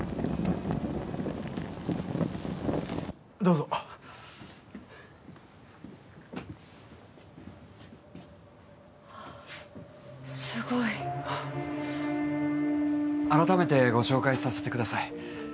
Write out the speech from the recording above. どうぞあすごい改めてご紹介させてください